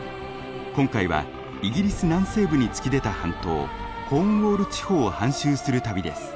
今回はイギリス南西部に突き出た半島コーンウォール地方を半周する旅です。